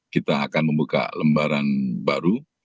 kita akan membuka lembaran baru